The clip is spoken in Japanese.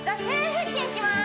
腹筋いきます